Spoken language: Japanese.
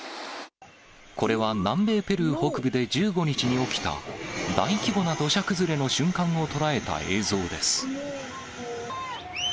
これは南米ペルー北部で１５日に起きた大規模な土砂崩れの瞬間を捉えた映像です。